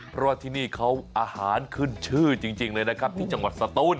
เพราะว่าที่นี่เขาอาหารขึ้นชื่อจริงเลยนะครับที่จังหวัดสตูน